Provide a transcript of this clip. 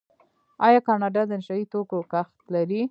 آیا کاناډا د نشه یي توکو کښت لري؟